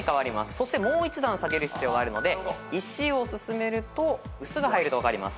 そしてもう１段下げる必要があるので「いし」を進めると「うす」が入るのが分かります。